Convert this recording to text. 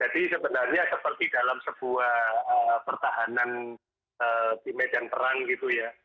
jadi sebenarnya seperti dalam sebuah pertahanan di medan perang gitu ya